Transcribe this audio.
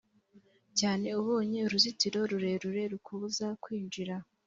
cyane Ubonye uruzitiro rurerure rukubuza kwinjira